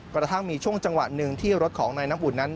กระทั่งมีช่วงจังหวะหนึ่งที่รถของนายน้ำอุ่นนั้น